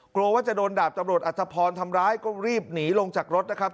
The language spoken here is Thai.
กลัวว่าจะโดนดาบตำรวจอัตภพรทำร้ายก็รีบหนีลงจากรถนะครับ